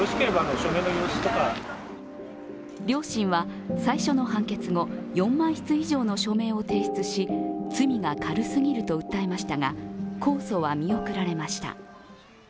両親は最初の判決後、４万筆以上の署名を提出し罪が軽すぎると訴えましたが、控訴は見送られました。